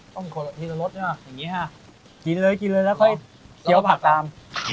ต้องกินละรดนี่เหรอกินเลยแล้วค่อยเกียวผักตาม